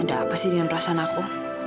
ada apa sih dengan perasaan aku